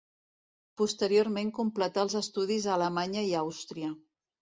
Posteriorment completà els estudis a Alemanya i Àustria.